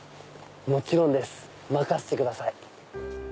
もちろんです任せてください。